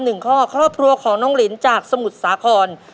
หนึ่งข้อครอบครัวของน้องลินจากสมุทรสาคร